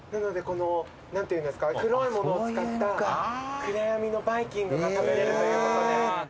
なので黒いものを使ったくらやみのバイキングが食べれるということで。